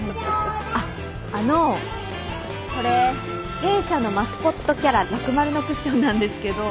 あっあのこれ弊社のマスコットキャララク丸のクッションなんですけど。